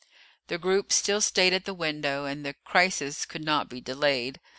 The group still stayed at the window, and the crisis could not be delayed.